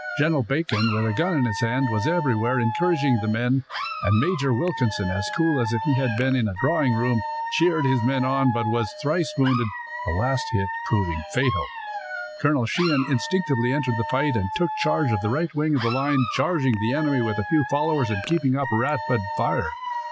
General Bacon, with a gun in his hands, was everywhere, encouraging the men. Major Wilkinson, as cool as if he had been in a drawing room, cheered his men on, but was thrice wounded, the last hit proving fatal. Colonel Sheehan instinctively entered the fight, and took charge of the right wing of the line, charging the enemy with a few followers and keeping up a rapid fire.